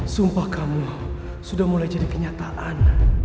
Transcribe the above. sumpah kamu sudah mulai jadi kenyataan